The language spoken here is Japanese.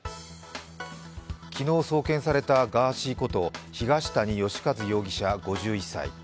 昨日送検されたガーシーこと東谷義和容疑者５１歳。